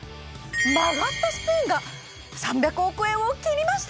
曲がったスプーンが３００億円を切りました！